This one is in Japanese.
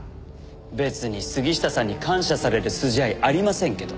別に杉下さんに感謝される筋合いありませんけど。